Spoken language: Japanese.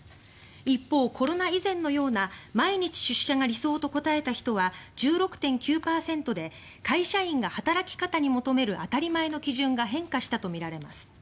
一方、コロナ以前のような毎日出社が理想と答えた人は１６．９％で会社員が働き方に求める当たり前の基準が変化したとみられます。